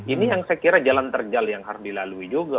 ini yang saya kira jalan terjal yang harus dilalui juga